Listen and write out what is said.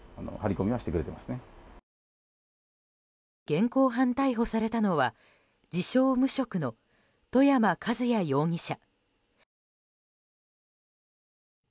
現行犯逮捕されたのは自称無職の外山和也容疑者。